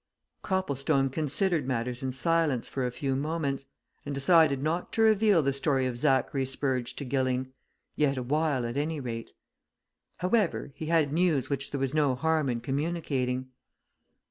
Copplestone considered matters in silence for a few moments, and decided not to reveal the story of Zachary Spurge to Gilling yet awhile at any rate. However, he had news which there was no harm in communicating.